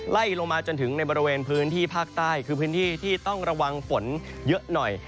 ไล่ลงมาจนถึงในบริเวณพื้นที่ภาคใต้คือพื้นที่ที่ต้องระวังฝนเยอะหน่อย